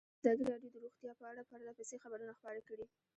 ازادي راډیو د روغتیا په اړه پرله پسې خبرونه خپاره کړي.